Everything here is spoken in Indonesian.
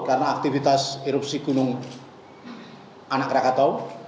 karena aktivitas erupsi gunung anak rakato